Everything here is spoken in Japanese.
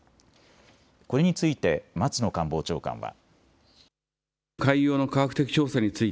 これについて松野官房長官は。